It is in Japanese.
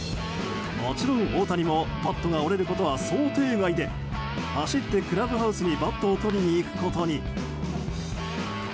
もちろん大谷もバットが折れることは想定外で走ってクラブハウスにバットを取りに行くことに。